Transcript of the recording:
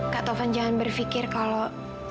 kak tovan jangan berpikir kalau